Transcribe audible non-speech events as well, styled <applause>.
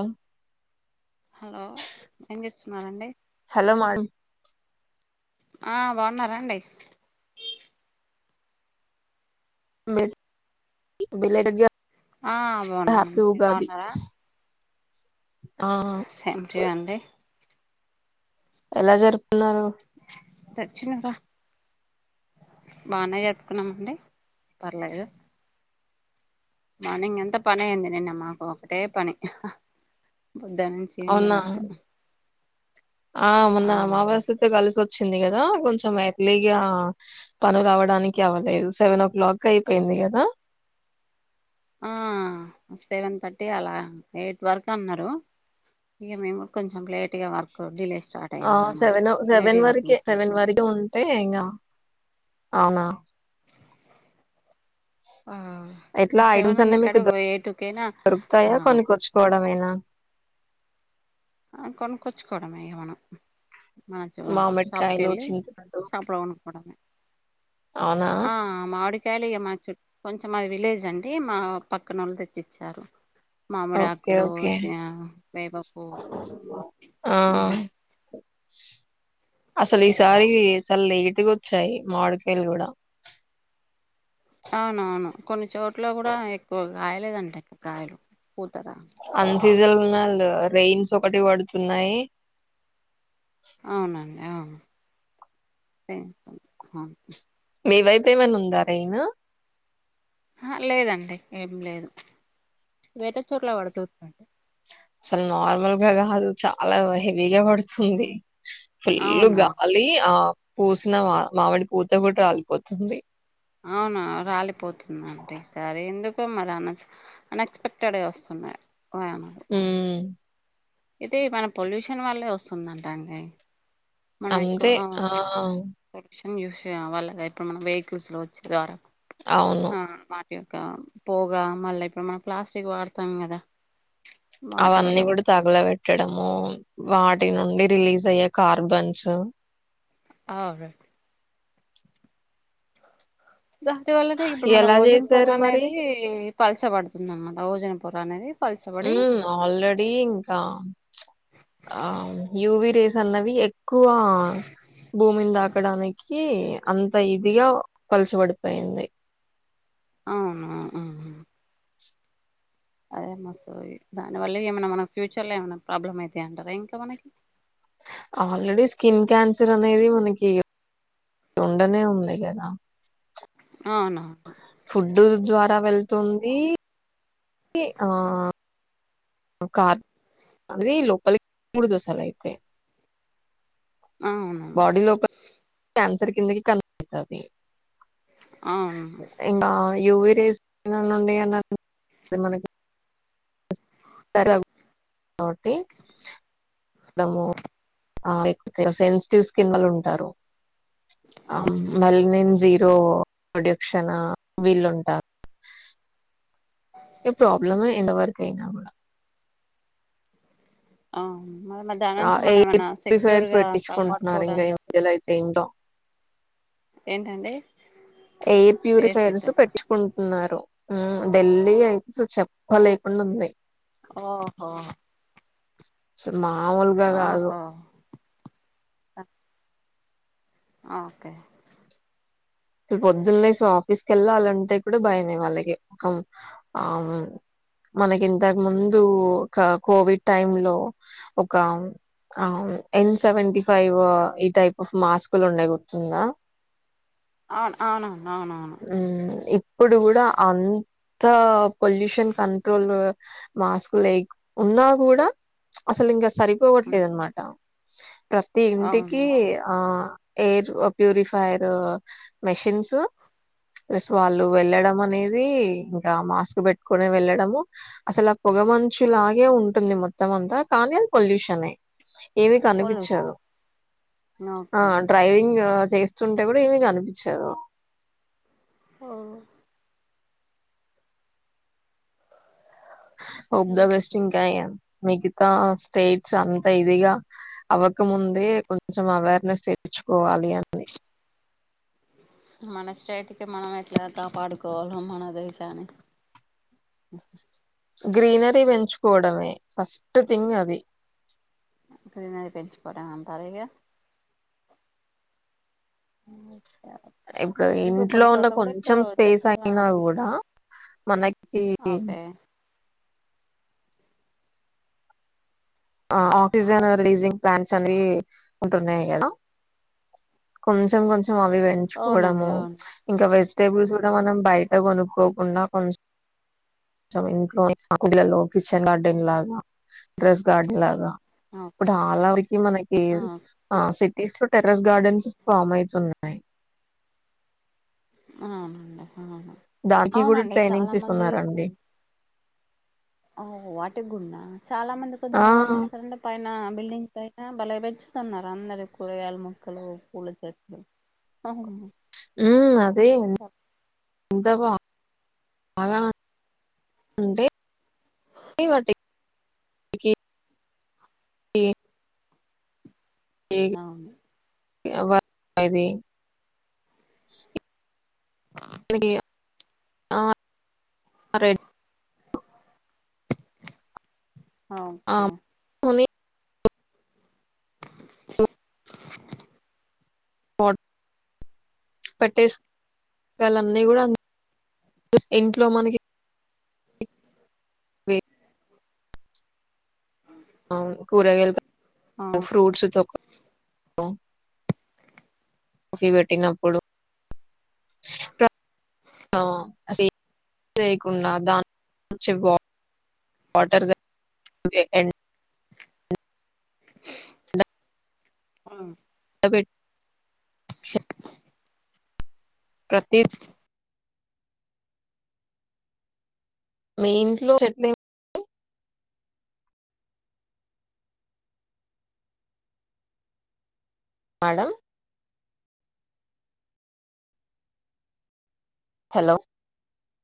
ఆ హలో ఏం చేస్తున్నండి హలో మేడం ఆ బాగున్నారాండి బెళట ఆ హ్యాపీ బాగున్నామండి మీరు ఉగాది బాగున్నారా ఆ అ అడి ఎలా జరు దక్షిణంగా బానే జరుపుకున్నామ అండి పర్లేేదు మా నింగ ఎంత పని అయ్యంది నిన్న మాకు ఒకటే పని బధానంచివిని అవునా మాకు ఆ మన్న అ మాబస్ సతే కలి స వచ్చింది కదా కొంచెం ఎర్లీగా పను రావడానికి అవ్వలేదు సెవెన్ ఓ క్లాక్ అయిపోయింది అదా సెవెన్ థర్టీ అలా ఎయిట్ వరకు అన్నారు ఇక మేము కొంచెం లేట్ గా వర్క్ డిలే స్టార్ట్ ఆ అయింది అనమాట సెవెన్ లేట్గా సెవెన్ వర్క్ వరక చేసాం సెవెన్ అనమాట వరక ఉంటే ఇంకా అవునా ఆ ఎట్లా ఐటమ్స్ సెవెన్ అన్న అన్ని కడ మీకు దొ- పొయిట్కేనా ఆ దొరుకుతాయా కొనుక్కొచ్చుకోవడమేనా కొనుక్కొచ్చుకోవడమే ఇక మనం మన షాపుకి మామిడికాయలు వెళ్ళి చింతపండు షాపులో కొనుక్కోడమే అవునా ఆ మాడి ఖాళీయే మా చుట్ కొంచెం మాది విలేజ్ అండి మా పక్కన వాళ్ళు తెచ్చిచ్చారు మామిడి ఓకే ఆకులు ఓకే చ వేపపువ్వు ఆ అసలు ఈసారి చాలా లేటుగా వచ్చాయి మావిడికాయలు కూడా అవునవును కొన్ని చోట్ల కూడా ఎక్కువగా కాయలేదంటగాయలు కూతరా అన్ సీజన్లు ఉన్నాళ్ళు రైయిన్స్ ఒకటి పడుతున్నాయి అవునండి అవును అవును మీ వైపు ఏమైనా ఉందా రెయిను లేదండి ఏం లేదు వేరే చోట్ల పడుతుంది అసలు నార్మల్ గా కాదు చాలా హెవీగా పడుతుంది ఫుల్లు అవునా గాలి ఆ పూసిన మా మామిడి పూత కూడా రాలిపోతుంది అవునా రాలిపోతుందండి ఈసారి ఎందుకో మరి అనస్ అన్ఎక్స్పెక్టెడ్గా వస్తున్నాయి పోయామా హ్మ్ అయితే మన పొల్యూషన్ వల్లే వస్తుందంటండి మనం ఎక్కువ అంతే ఆ <unintelligible> ఇప్పుడు మనం వెహికల్స్ లో వచ్చే ద్వారా అవును యొక్క పొగ మళ్ళా ఇప్పుడు మనం ప్లాస్టిక్ వాడతాం కదా వాటి వల్ల అవన్నీ కూడా తగల పెట్టడము వాటి వీటి నుండి రిలీజ్ అయ్యే కార్బన్స్ ఆవే దాని వల్లనే ఇప్పుడు మన ఎలా ఓజోన్ పొర చేశారు మరి? అనేది పలచ బడుతుంది అన్నమాట ఓజన పొర అనేది పలచబడి హ్మ్ ఆల్రెడి ఇంకా ఆ యూవి రేస్ అన్నవి ఎక్కువ భూమిని తాకడానికి కి అంత ఇదిగా పలచబడిపోయింది అవును దాని వల్ల ఏమైనా మన ఫ్యూచర్ లో ఏమైనా ప్రాబ్లమ్ అవుతాయ అంటారా ఇంకా మనకి ఆల్రెడీ స్కిన్ క్యాన్సర్ అనేది మనకి ఉండనే ఉందిగాద అవునా ఫుడ్డు ద్వారా వెళ్తుంది ఆ కార్ అది లోపలికి మూడు దశలు అయితాయి అవును బాడీ లోపల కేన్సర్ కిందికి కనపడతాది అవును ఇంకా యూవి రేస్ నుండి అ మనకి కాబట్టి సెన్సిటివ్ స్కిన్ వాళ్ళు ఉంటారు ఆ అవును మళ్ళీ నేన్ జీరో ప్రొడక్షనా వీళ్ళుంటా. ఈ ప్రాబ్లెమే ఎండ వరకైనా ఆ మరి దాని నుంచి ఎయిర్ మనమన్నా సెక్యూర్ ప్యూరిఫైర్స్ గా పెట్టించుకుంటున్నారు ఇంకా ఈ కాపాడుకోవడానికి మధ్యలో అయితే ఇంట్లో ఏంటండి ఎయిర్ హెయిర్ ప్యూరిఫైయర్స్ ఫిట్టర్సా పెట్టిచ్చుకుంటున్నారు ఢిల్లీ అయితే అసలు చెప్ప లేకుండా ఉంది ఓహో స మామూలుగా కాదు ఓహో <inaudible> ఓకే పొద్దున్న లేసి ఆఫీస్కెళ్ళాలంటే కూడా భయమే వాళ్ళకి ఒక ఆ మనక్ ఇంతక్ ముందు, కా కోవిడ్ టైం లో ఒక, ఎన్ సెవెంటీ ఫైవ్, ఈ టైప్ ఆఫ్ మాస్కులు ఉండే గుర్తుందా. అవున్, అవును, అవునావును. హ్మ్ ఇప్పుడు గుడా అంత, పొల్యూషన్ కంట్రోల్. <unintelligible> మాస్క్ లేక్ ఉన్నా గుడా, అసల్ ఇంకా సరిపోవట్లేదు అనమాట. ప్రతి ఇంటికి అవును ఆ ఎయిర్ ప్యూరిఫైర్, మెషిన్స్. ప్రెస్ వాళ్ళు వెళ్ళడం అనేది, ఇంకా మాస్క్ బేట్టుకోనే వెళ్ళడము. అసల్ ఆ పొగ్ పొగ మంచులాగే ఉంటుంది మొత్తం అంతా, కానీ అది పొల్యూషనే. ఏవి కనిపిచ్చదు, పొల్యూషన్ ఆ ఓకే డ్రైవింగ్ చేస్తుంటే గుడా ఏమి కనిపించద్, టా ఆ. ఆల్ ద బెస్ట్ ఇంకాయమ్. మిగితా స్టేట్స్ అంత ఇదిగా, అవ్వకముందే కొంచెం అవేర్నెస్ సే <unintelligible> చ్చుకోవాలి అంది. మన స్టేట్కి మనం ఎట్లా కాపాడుకోవాలో, మన దేశాన్ని, ఉహు. గ్రీనరీ బెంచుకోవడమే, ఫస్ట్ థింగ్ అది. గ్రీనరీ పెంచుకోవడం అంటార్ ఇగ. <unintelligible> ఇప్పుడ్ ఇప్పుడు ఇంట్లో కొన్ని ఉన్న చోట్ల కూడా ఇప్పుడు కొంచెం స్పేస్ చెట్లు కూడా అయినా తీసేస్ గుడా, మనక్కి, ఓకే ఆ ఆక్సిజన్ రిలీజింగ్ ప్లాంట్స్ అనీ, ఉంటున్నాయి గదా. కొంచెం కొంచెం, అవి అవునండి వెంచుకోవడము, అవును ఇంకా వెజిటేబుల్స్ గుడా మనం బయట కొనుక్కోకుండా కొంచెం, చం ఇంట్లోనే కుండీలల్లో కిచెన్ గార్డెన్ లాగా, డ్రెస్ గార్డెన్ లాగా, ఇప్పుడ్ ఆలావికి, మనకి ఆ సిట్ టిస్ లో, టెర్రస్ గార్డెన్స్ ఫామ్ అయితున్నాయి. అవునండి అవును. దానికి కూడా అవునండి చాలా ట్రైనింగ్స్ మంది, ఇస్తున్నారండి ఓ వాటి గుడ్నా. చాలా మంది, ఆ కొంతమంది ఏం చేస్తారంటే పైన్ నా, బిల్డింగ్ పైన బలే బెంచుతున్నారు, అందరు కూరగాయల మొక్కలు, పూల చెట్లు. అహువును. ఉమ్మ్ అదే, ఉన్ ఎంత బాగా అంటే, వాటి <inaudible> అవును. ఎవర్ <inaudible> ఇది ఇప్ మనకి <inaudible> ఆ రేట్, ఆ ఓకే. ఓట్ పెట్టేస్ <unintelligible> లన్నీ గుడా ఇంట్లో మనకి, అవును కూరగాయల్ <inaudible> ఫ్రూట్స్ తోకల్, టు, కాఫీ వేట్టినప్పుడు, ప్రత్ అ <inaudible> లేకుండా దాన్నుంచి బా, వాటర్ <inaudible> వేకేండ్. ఆ సపేట్ ప్రత్యే మీ ఇంట్లో చెట్లెం మ్యాడమ్ హలో